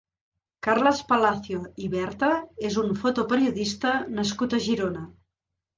Carles Palacio i Berta és un fotoperiodista nascut a Girona.